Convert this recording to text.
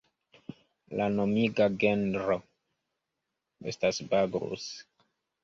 La nomiga genro estas "Bagrus".